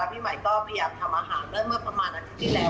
แล้วพี่ใหม่ก็พยายามทำอาหารเมื่อประมาณนักที่แล้ว